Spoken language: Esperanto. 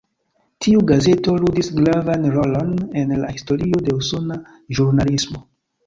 Tiu gazeto ludis gravan rolon en la historio de usona ĵurnalismo.